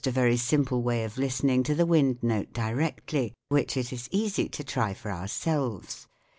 a very simple way of listening to the wind note directly, which it is easy to try for ourselves.